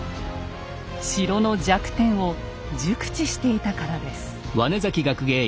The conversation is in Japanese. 城の弱点を熟知していたからです。